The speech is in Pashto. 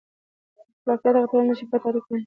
خلاقیت هغه توانایي ده چې پټه اړیکه ووینئ.